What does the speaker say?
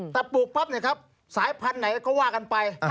แต่ปลูกปั๊บเนี่ยครับสายพันธุ์ไหนก็ว่ากันไป